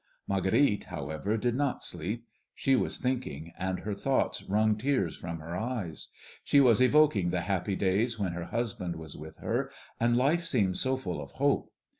Marguerite, however, did not sleep. She was thinking, and her thoughts wrung tears from her eyes. She was evoking the happy days when her husband was with her, and life seemed so full of hope.